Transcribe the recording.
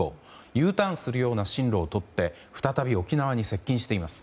Ｕターンするような進路をとって再び沖縄に接近しています。